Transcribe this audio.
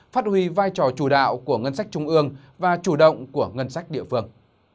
phát huy vai trò chủ đạo của ngân sách trung ương và chủ động của ngân sách địa phương